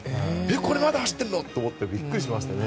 これまだ走ってるの！と思ってビックリしましたね。